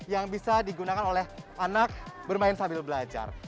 yang bisa digunakan oleh anak bermain sambil belajar